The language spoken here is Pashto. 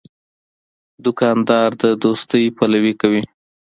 دوکاندار د دوستۍ پلوي کوي.